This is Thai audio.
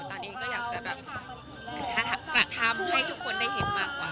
ตอนนี้ก็อยากจะแบบกระทำให้ทุกคนได้เห็นมากกว่า